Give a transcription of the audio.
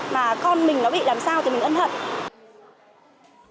mà con mình nó bị làm sao thì mình ân hận